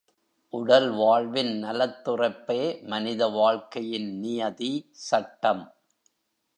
உடல் வாழ்வின் நலத் துறப்பதே மனித வாழ்க்கையின் நியதி, சட்டம்.